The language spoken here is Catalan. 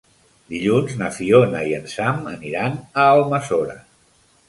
Dilluns na Fiona i en Sam aniran a Almassora.